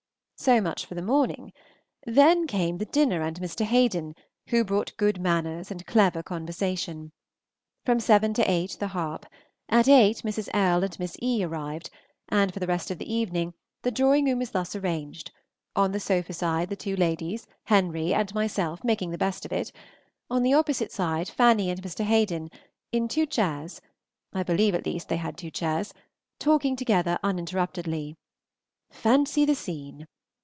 So much for the morning. Then came the dinner and Mr. Haden, who brought good manners and clever conversation. From seven to eight the harp; at eight Mrs. L. and Miss E. arrived, and for the rest of the evening the drawing room was thus arranged: on the sofa side the two ladies, Henry, and myself making the best of it; on the opposite side Fanny and Mr. Haden, in two chairs (I believe, at least, they had two chairs), talking together uninterruptedly. Fancy the scene!